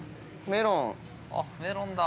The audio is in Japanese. メロンだ。